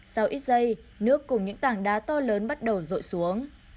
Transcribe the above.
sau ít giây nước cùng những tảng đá to lớn bắt đầu rội xuống